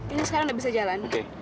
ini sekarang nggak bisa jalan